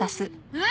えっ？